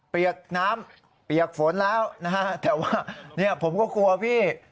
เปียกน้ำเปียกฝนแล้วนะฮะแต่ว่าเนี่ยผมก็กลัวพี่